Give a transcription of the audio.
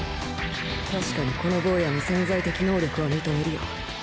確かにこの坊やの潜在的能力は認めるよ。